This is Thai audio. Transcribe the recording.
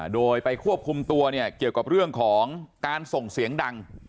โดยไปควบคุมตัวเนี่ยเกี่ยวกับเรื่องของการส่งเสียงดัง